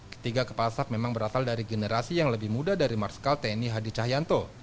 ketiga kepala staf memang berasal dari generasi yang lebih muda dari marskal tni hadi cahyanto